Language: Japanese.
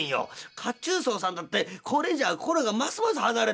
褐虫藻さんだってこれじゃ心がますます離れて」。